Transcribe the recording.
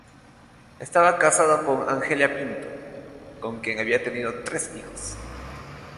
Estaba casado con Angelina Pinto, con quien había tenido tres hijos.